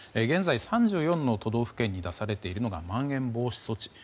現在３４の都道府県に出されているのがまん延防止措置。